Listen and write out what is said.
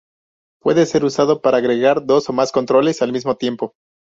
Puede ser usado para agregar dos o más controles al mismo tiempo.